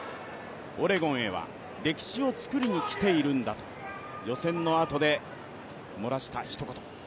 オレゴンへは歴史を作りに来ているんだと予選のあとで漏らしたひと言。